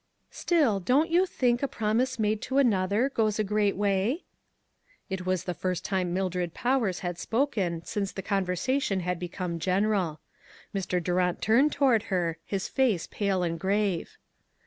"Still, don't you think a promise made to another goes a great way?" It was the first time Mildred Powers had spoken since the conversation had become general. Mr. Durant turned toward her, his face pale and grave.